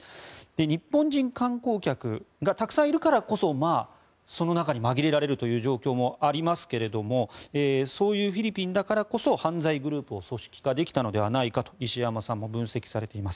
日本人観光客がたくさんいるからこそその中に紛れられるという状況もありますがそういうフィリピンだからこそ犯罪グループを組織化できたのではないかと石山さんも分析されています。